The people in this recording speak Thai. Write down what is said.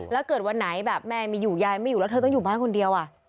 แล้วเกิดวันไหนแบบแม่ไม่อยู่ยายไม่อยู่แล้วเธอต้องอยู่บ้านคนเดียว